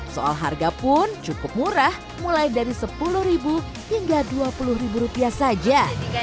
soal harga pun cukup murah mulai dari sepuluh hingga dua puluh rupiah saja